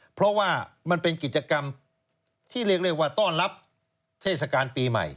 เพราะว่ามันเป็นกิจกรรมที่เรียกว่าต้อนรับเทศกาลปีใหม่